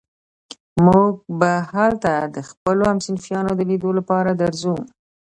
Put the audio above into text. موږ به هلته د خپلو همصنفيانو د ليدو لپاره درځو.